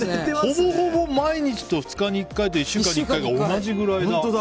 ほぼほぼ毎日と２日に１回と１週間に１回が同じくらいだ。